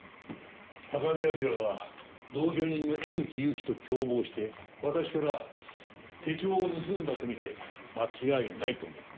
高見明は同居人の江口ゆきと共謀して私から手帳を盗んだとみて間違いないと思う。